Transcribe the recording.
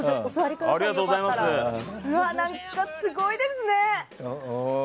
何かすごいですね。